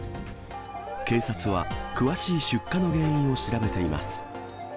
警察は詳しい出火の原因を調べています。